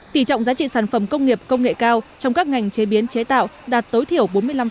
tỷ trọng giá trị sản phẩm công nghiệp công nghệ cao trong các ngành chế biến chế tạo đạt tối thiểu bốn mươi năm